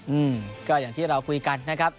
อืมก็อย่างที่เราคุยกันนะครับ